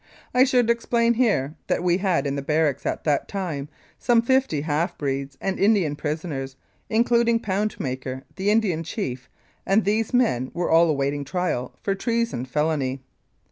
I should explain here that we had in the barracks at that time some fifty half breed and Indian prisoners, including Poundmaker, the Indian Chief, and these men were all awaiting trial for treason felony.